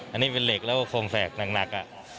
อันนี้เป็นเหล็กแล้วก็โครงแสกหนัก